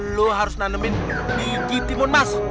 lu harus nanemin biji timun mas